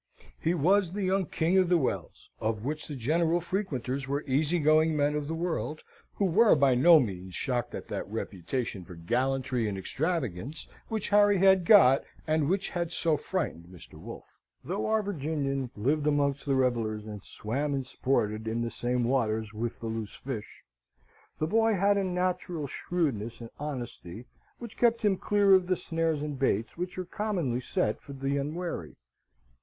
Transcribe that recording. He was the young King of the Wells, of which the general frequenters were easygoing men of the world, who were by no means shocked at that reputation for gallantry and extravagance which Harry had got, and which had so frightened Mr. Wolfe. Though our Virginian lived amongst the revellers, and swam and sported in the same waters with the loose fish, the boy had a natural shrewdness and honesty which kept him clear of the snares and baits which are commonly set for the unwary.